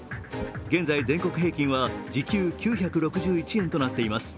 現在、全国平均は時給９６１円となっています。